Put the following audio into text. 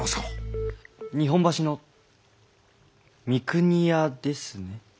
日本橋の三国屋ですね？